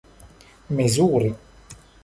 mezuri